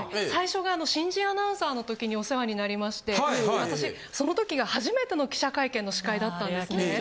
最初が新人アナウンサーの時にお世話になりまして私その時が初めての記者会見の司会だったんですね。